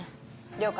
了解。